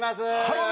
はい！